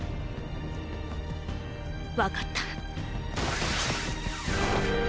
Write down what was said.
わかった。